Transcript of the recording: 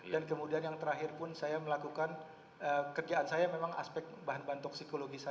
dan kemudian yang terakhir pun saya melakukan kerjaan saya memang aspek bahan bahan toksikologi saja